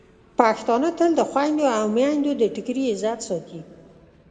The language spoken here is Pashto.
پښتانه تل د خویندو او میندو د ټکري عزت ساتي.